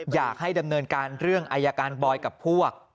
อยากให้ดำเนินการเรื่องอายการบอยกับพวก